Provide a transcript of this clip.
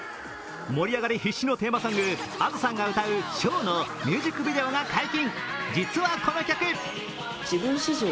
盛り上がり必至のテーマソング、Ａｄｏさんが歌う「唱」のミュージックビデオが解禁。